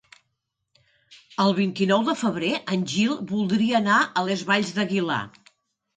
El vint-i-nou de febrer en Gil voldria anar a les Valls d'Aguilar.